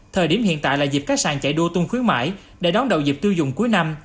thời điểm hiện tại là dịp các sàn chạy đua tôn khuyến mãi để đón đầu dịp tiêu dùng cuối năm